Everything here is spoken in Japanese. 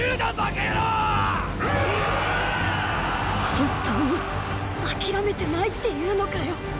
本当にあきらめてないっていうのかよ